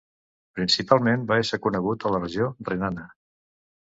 Principalment, va ésser conegut a la regió renana.